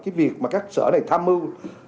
cái việc mà các sở này tham mưu